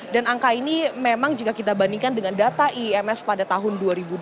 dan angka ini memang jika kita bandingkan dengan data ims pada tahun dua ribu dua puluh dua